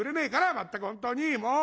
まったく本当にもう！